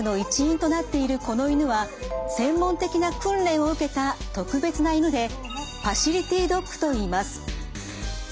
この犬は専門的な訓練を受けた特別な犬でファシリティドッグといいます。